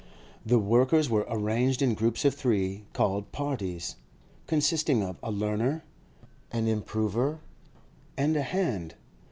The workers were arranged in groups of three, called 'parties,' consisting of a learner, an improver, and a hand.